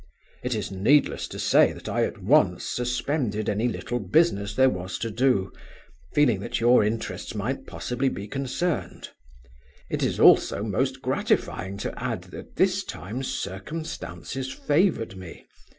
It is needless to say that I at once suspended any little business there was to do, feeling that your interests might possibly be concerned. It is also most gratifying to add that this time circumstances favored me.